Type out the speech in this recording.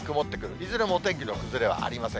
いずれもお天気の崩れはありません。